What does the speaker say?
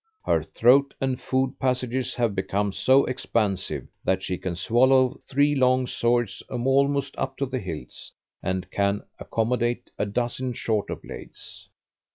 Her throat and food passages have become so expansive that she can swallow three long swords almost up to the hilts, and can accommodate a dozen shorter blades.